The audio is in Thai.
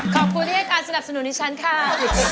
ขอบคุณที่ให้การสนับสนุนดิฉันค่ะ